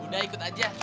udah ikut aja